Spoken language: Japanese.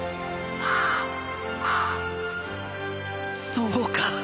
そうか！